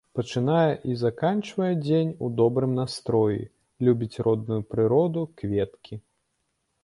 Пачынае і заканчвае дзень у добрым настроі, любіць родную прыроду, кветкі.